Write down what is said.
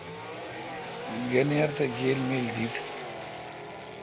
گنِر تہ گِل مِل دیت۔